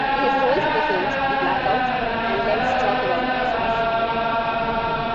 He has roles in the films "The Blackout" and "Let's Talk About Sex".